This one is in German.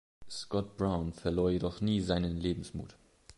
Scott-Brown verlor jedoch nie seinen Lebensmut.